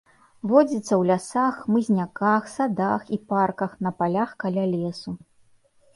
Водзіцца ў лясах, хмызняках, садах і парках, на палях каля лесу.